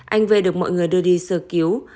anh về được mọi người đưa đi sờ cứu